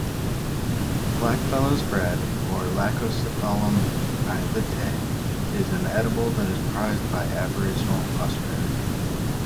Blackfellow's bread, or "Laccocephalum mylittae", is an edible that is prized by Aboriginal Australians.